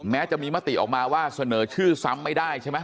แม้จะมีมติออกมาว่าเสนอชื่อซ้ำไม่ได้ใช่ไหม